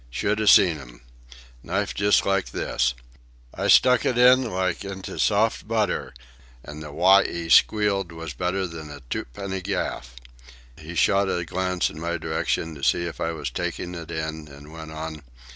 Should 'a seen 'im. Knife just like this. I stuck it in, like into soft butter, an' the w'y 'e squealed was better'n a tu penny gaff." He shot a glance in my direction to see if I was taking it in, and went on.